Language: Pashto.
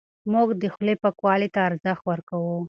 موږ د خولې پاکوالي ته ارزښت ورکوو.